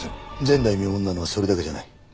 前代未聞なのはそれだけじゃない。